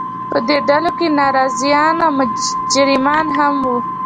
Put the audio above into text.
په دې ډلو کې ناراضیان او مجرمان هم وو.